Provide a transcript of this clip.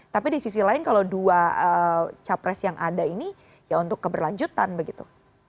tapi di sisi lain kalau dua capres yang ada ini ya untuk keberlanjutan begitu